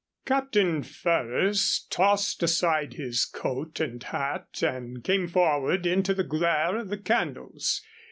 Captain Ferrers tossed aside his coat and hat and came forward into the glare of the candles.